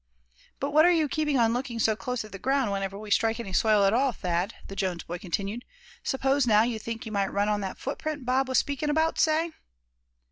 "But what are you keeping on looking so close at the ground, whenever we strike any soil at all, Thad?" the Jones boy continued. "S'pose now, you think you might run on that footprint Bob was speakin' about, say?"